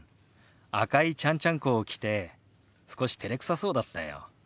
赤いちゃんちゃんこを着て少してれくさそうだったよ。